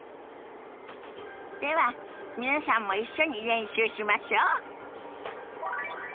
では皆さんも一緒に練習しましょ。